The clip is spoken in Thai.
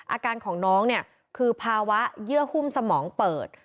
อาการของน้องเนี่ยคือภาวะเยื่อหุ้มสมองเปิด